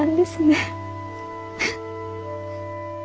フッ。